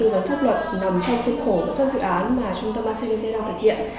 đối với hoạt động tư vấn pháp luật nằm trong khuôn khổ các dự án mà trung tâm acdc đang thực hiện